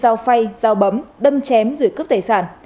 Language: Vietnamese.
giao phay giao bấm đâm chém dưới cướp tài sản